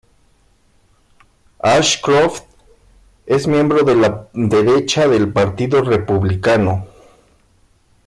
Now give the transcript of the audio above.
Ashcroft es miembro de la derecha del partido republicano.